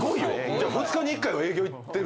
じゃあ２日に１回は営業行ってるんだ？